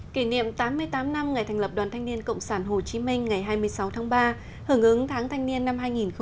kỷ niệm tám mươi tám năm ngày thành lập đoàn thanh niên cộng sản hồ chí minh ngày hai mươi sáu tháng ba hưởng ứng tháng thanh niên năm hai nghìn hai mươi